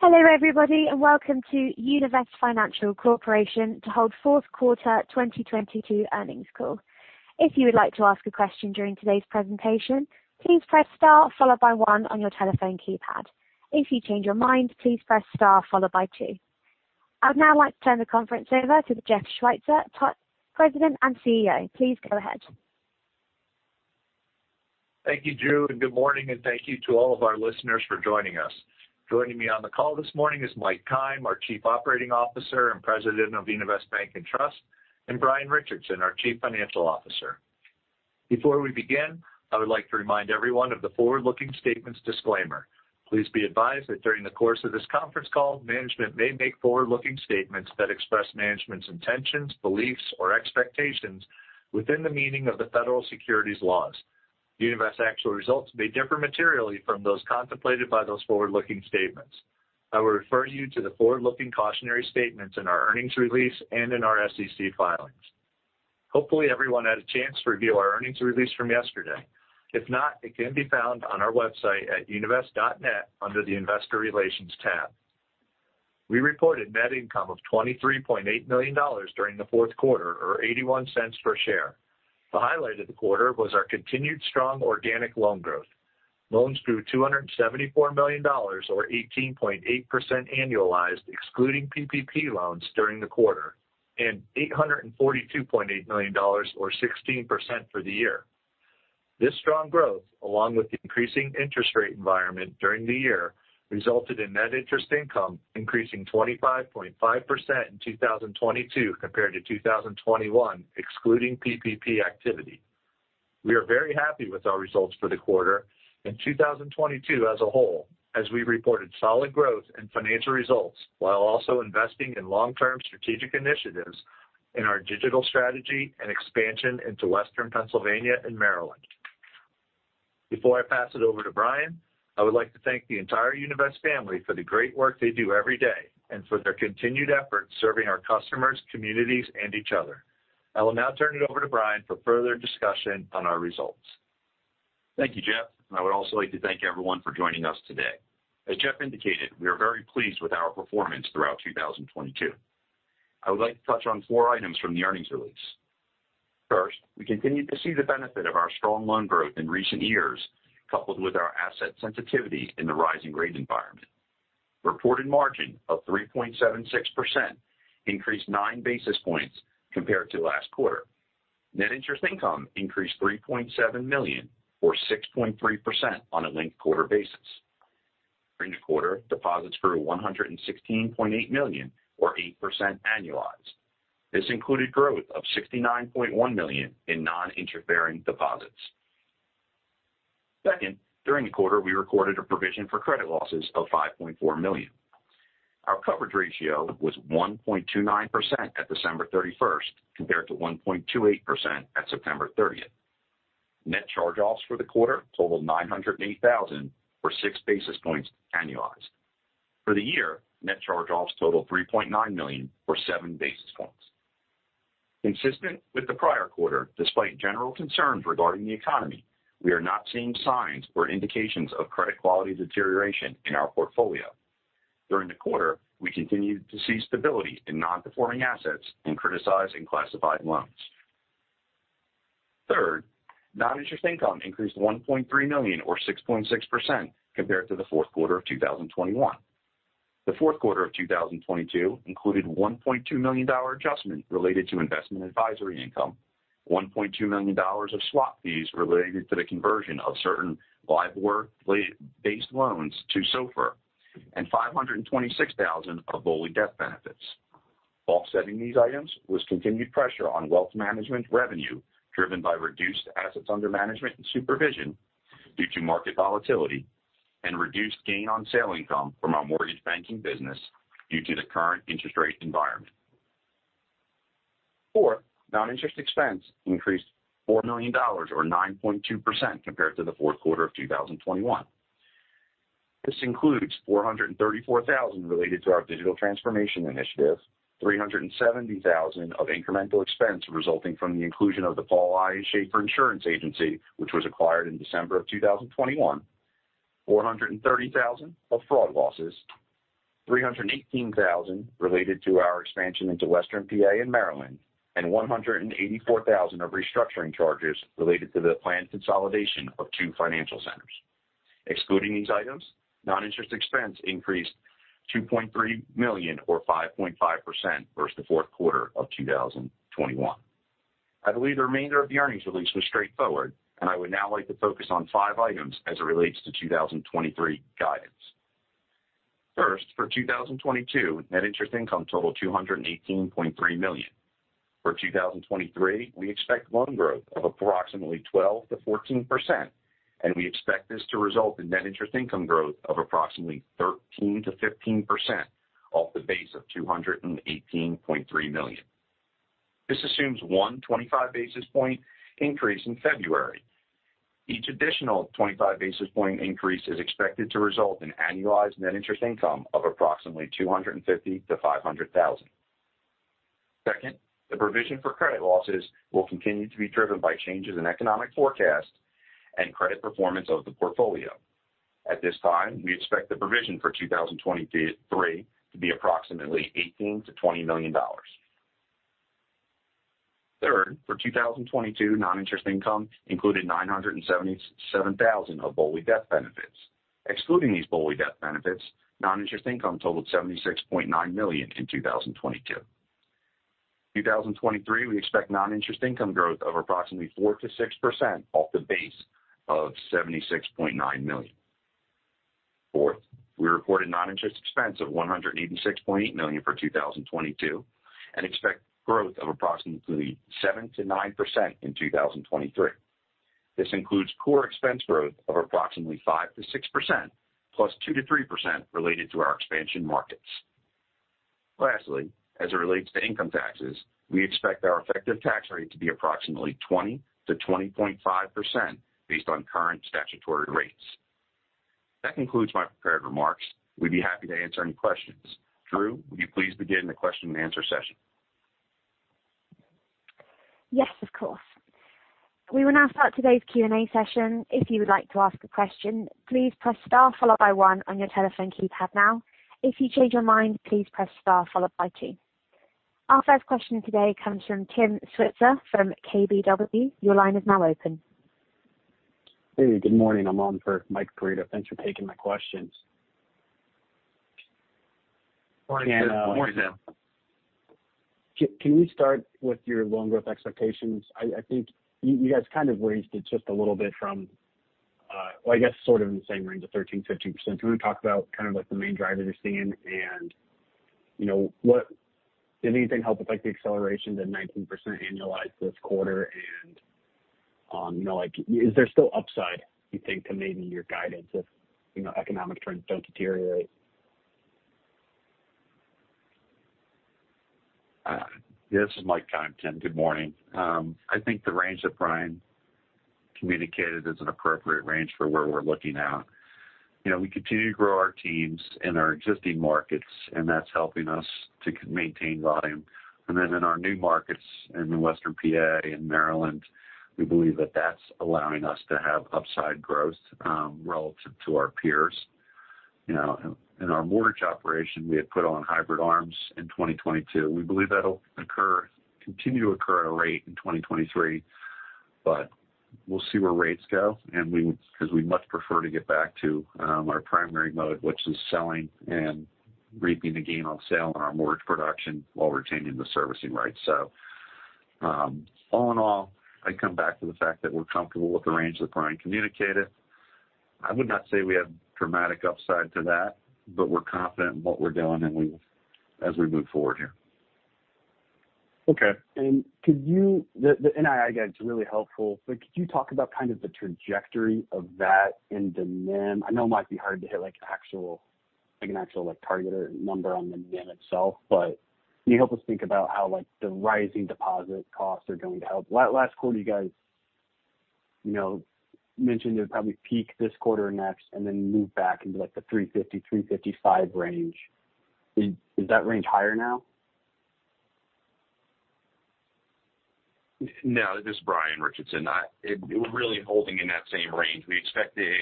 Hello, everybody, and welcome to Univest Financial Corporation to hold Fourth Quarter 2022 earnings call. If you would like to ask a question during today's presentation, please press star followed by one on your telephone keypad. If you change your mind, please press star followed by two. I would now like to turn the conference over to Jeff Schweitzer, President and CEO. Please go ahead. Thank you, Drew, and good morning and thank you to all of our listeners for joining us. Joining me on the call this morning is Mike Keim, our Chief Operating Officer and President of Univest Bank and Trust, and Brian Richardson, our Chief Financial Officer. Before we begin, I would like to remind everyone of the forward-looking statements disclaimer. Please be advised that during the course of this conference call, management may make forward-looking statements that express management's intentions, beliefs, or expectations within the meaning of the federal securities laws. Univest's actual results may differ materially from those contemplated by those forward-looking statements. I would refer you to the forward-looking cautionary statements in our earnings release and in our SEC filings. Hopefully, everyone had a chance to review our earnings release from yesterday. If not, it can be found on our website at univest.net under the investor relations tab. We reported net income of $23.8 million during the fourth quarter, or $0.81 per share. The highlight of the quarter was our continued strong organic loan growth. Loans grew $274 million, or 18.8% annualized excluding PPP loans during the quarter, and $842.8 million or 16% for the year. This strong growth, along with the increasing interest rate environment during the year, resulted in net interest income increasing 25.5% in 2022 compared to 2021 excluding PPP activity. We are very happy with our results for the quarter and 2022 as a whole, as we reported solid growth and financial results while also investing in long-term strategic initiatives in our digital strategy and expansion into Western Pennsylvania and Maryland. Before I pass it over to Brian, I would like to thank the entire Univest family for the great work they do every day and for their continued efforts serving our customers, communities, and each other. I will now turn it over to Brian for further discussion on our results. Thank you, Jeff. I would also like to thank everyone for joining us today. As Jeff indicated, we are very pleased with our performance throughout 2022. I would like to touch on four items from the earnings release. First, we continued to see the benefit of our strong loan growth in recent years, coupled with our asset sensitivity in the rising rate environment. Reported margin of 3.76% increased 9 basis points compared to last quarter. Net interest income increased $3.7 million or 6.3% on a linked quarter basis. During the quarter, deposits grew $116.8 million or 8% annualized. This included growth of $69.1 million in non-interest-bearing deposits. During the quarter, we recorded a provision for credit losses of $5.4 million. Our coverage ratio was 1.29% at December 31st, compared to 1.28% at September 30th. Net charge-offs for the quarter totaled $908,000, or 6 basis points annualized. For the year, net charge-offs totaled $3.9 million or 7 basis points. Consistent with the prior quarter, despite general concerns regarding the economy, we are not seeing signs or indications of credit quality deterioration in our portfolio. During the quarter, we continued to see stability in non-performing assets and criticized classified loans. Third, non-interest income increased $1.3 million or 6.6% compared to the fourth quarter of 2021. The fourth quarter of 2022 included $1.2 million adjustment related to investment advisory income, $1.2 million of swap fees related to the conversion of certain LIBOR-based loans to SOFR, and $526 thousand of BOLI death benefits. Offsetting these items was continued pressure on wealth management revenue driven by reduced assets under management and supervision due to market volatility and reduced gain on sale income from our mortgage banking business due to the current interest rate environment. Fourth, non-interest expense increased $4 million or 9.2% compared to the fourth quarter of 2021. This includes $434 thousand related to our digital transformation initiative, $370 thousand of incremental expense resulting from the inclusion of the Paul I. Sheaffer Insurance Agency, which was acquired in December of 2021, $430,000 of fraud losses, $318,000 related to our expansion into Western PA and Maryland, and $184,000 of restructuring charges related to the planned consolidation of 2 financial centers. Excluding these items, non-interest expense increased $2.3 million or 5.5% versus the fourth quarter of 2021. I believe the remainder of the earnings release was straightforward, and I would now like to focus on 5 items as it relates to 2023 guidance. First, for 2022, net interest income totaled $218.3 million. For 2023, we expect loan growth of approximately 12%-14%, and we expect this to result in net interest income growth of approximately 13%-15% off the base of $218.3 million. This assumes 1 25 basis point increase in February. Each additional 25 basis point increase is expected to result in annualized net interest income of approximately $250,000-$500,000. Second, the provision for credit losses will continue to be driven by changes in economic forecast and credit performance of the portfolio. At this time, we expect the provision for 2023 to be approximately $18 million-$20 million. Third, for 2022, non-interest income included $977,000 of BOLI death benefits. Excluding these BOLI death benefits, non-interest income totaled $76.9 million in 2022. 2023, we expect non-interest income growth of approximately 4%-6% off the base of $76.9 million. Fourth, we reported non-interest expense of $186.8 million for 2022 and expect growth of approximately 7%-9% in 2023. This includes core expense growth of approximately 5%-6% plus 2%-3% related to our expansion markets. Lastly, as it relates to income taxes, we expect our effective tax rate to be approximately 20%-20.5% based on current statutory rates. That concludes my prepared remarks. We'd be happy to answer any questions. Drew, would you please begin the question and answer session? Yes, of course. We will now start today's Q&A session. If you would like to ask a question, please press star followed by one on your telephone keypad now. If you change your mind, please press star followed by two. Our first question today comes from Tim Switzer from KBW. Your line is now open. Hey, good morning. I'm on for Michael Perito. Thanks for taking my questions. Morning, Tim. Can we start with your loan growth expectations? I think you guys kind of raised it just a little bit from, well, I guess sort of in the same range of 13%-15%. Can we talk about kind of like the main drivers you're seeing and, you know, what did anything help with like the acceleration to 19% annualized this quarter? You know, like, is there still upside you think to maybe your guidance if, you know, economic trends don't deteriorate? This is Mike. Hi, Tim. Good morning. I think the range that Brian communicated is an appropriate range for where we're looking at. You know, we continue to grow our teams in our existing markets, and that's helping us to maintain volume. In our new markets in western PA and Maryland, we believe that that's allowing us to have upside growth relative to our peers. You know, in our mortgage operation, we had put on hybrid ARMs in 2022. We believe that'll occur, continue to occur at a rate in 2023, but we'll see where rates go, and we would because we much prefer to get back to our primary mode, which is selling and reaping the gain on sale on our mortgage production while retaining the servicing rights. All in all, I come back to the fact that we're comfortable with the range that Brian communicated. I would not say we have dramatic upside to that, but we're confident in what we're doing, and as we move forward here. Okay. Could you talk about kind of the trajectory of that in the NIM? I know it might be hard to hit like actual, like an actual like target or number on the NIM itself, but can you help us think about how like the rising deposit costs are going to help? Last quarter you guys, you know, mentioned it would probably peak this quarter or next and then move back into like the 350-355 basis points range. Is that range higher now? This is Brian Richardson. We're really holding in that same range. We expect the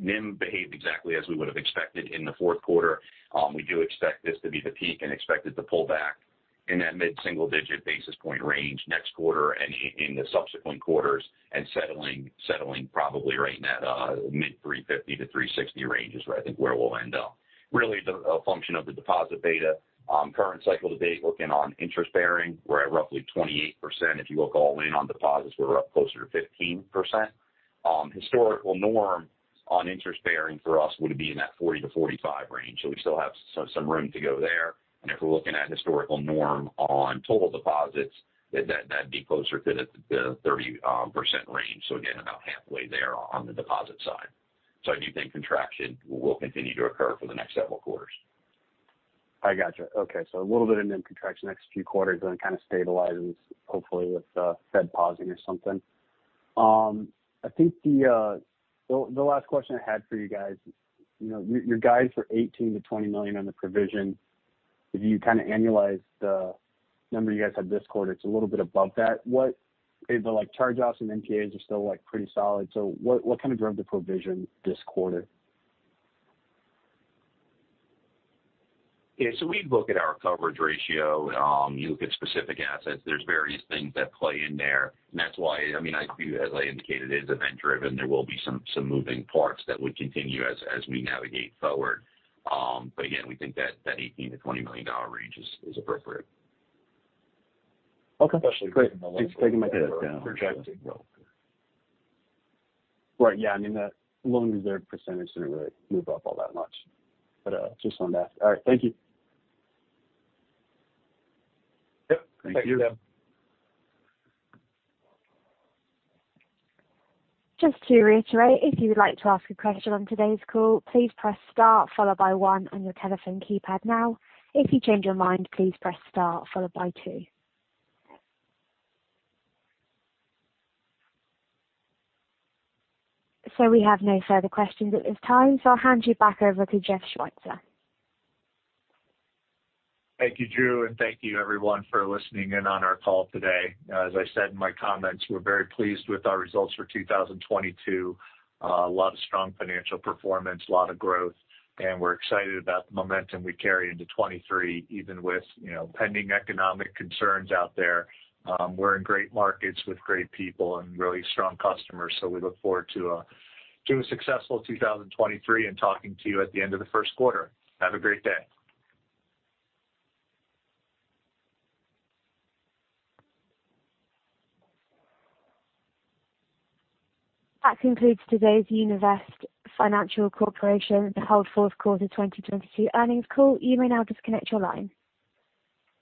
NIM behaved exactly as we would have expected in the fourth quarter. We do expect this to be the peak and expect it to pull back in that mid-single-digit basis point range next quarter and in the subsequent quarters and settling probably right in that mid 350-360 basis points range is where I think where we'll end up. Really the function of the deposit beta, current cycle to date, looking on interest-bearing, we're at roughly 28%. If you look all in on deposits, we're up closer to 15%. Historical norm on interest-bearing for us would be in that 40%-45% range. We still have some room to go there. If we're looking at historical norm on total deposits, that'd be closer to the 30% range. Again, about halfway there on the deposit side. I do think contraction will continue to occur for the next several quarters. I gotcha. Okay. A little bit of NIM contraction next few quarters, then it kind of stabilizes hopefully with Fed pausing or something. I think the last question I had for you guys, you know, your guide for $18 million-$20 million on the provision, if you kind of annualize the number you guys had this quarter, it's a little bit above that. The, like, charge-offs and NPAs are still, like, pretty solid. What kind of drove the provision this quarter? Yeah. We look at our coverage ratio. You look at specific assets. There's various things that play in there. I mean, as I indicated, it is event-driven. There will be some moving parts that would continue as we navigate forward. Again, we think that $18 million-$20 million range is appropriate. Okay. Especially given the loan growth that we're projecting. Right. Yeah. I mean, the loan reserve percentage didn't really move up all that much. Just wanted to ask. All right. Thank you. Yep. Thank you. Just to reiterate, if you would like to ask a question on today's call, please press star followed by one on your telephone keypad now. If you change your mind, please press star followed by two. We have no further questions at this time. I'll hand you back over to Jeff Schweitzer. Thank you, Drew. Thank you everyone for listening in on our call today. As I said in my comments, we're very pleased with our results for 2022. A lot of strong financial performance, a lot of growth, and we're excited about the momentum we carry into 2023, even with, you know, pending economic concerns out there. We're in great markets with great people and really strong customers, so we look forward to a successful 2023 and talking to you at the end of the first quarter. Have a great day. That concludes today's Univest Financial Corporation Fourth Quarter 2022 earnings call. You may now disconnect your line.